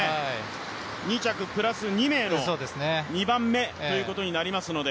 ２着プラス２名の２番目ということになりますので。